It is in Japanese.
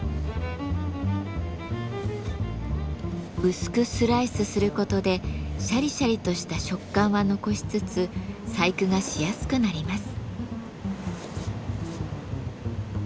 薄くスライスすることでシャリシャリとした食感は残しつつ細工がしやすくなります。